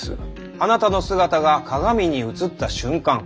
あなたの姿が「鏡」に映った瞬間